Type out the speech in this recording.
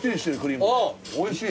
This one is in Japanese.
おいしい。